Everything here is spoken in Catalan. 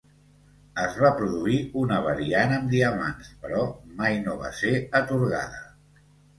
Es va produir una variant amb diamants, però mai no va ser atorgada.